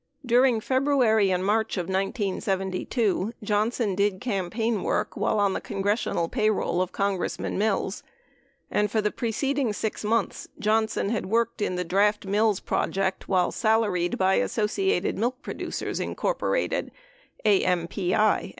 During February and March of 1972, Johnson did campaign work while on the Congressional payroll of Congressman Mills; and for the preced ing 6 months, Johnson had worked in the Draft Mills project while salaried by Associated Milk Producers, Inc. (AMPI).